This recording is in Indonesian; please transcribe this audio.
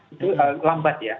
itu lambat ya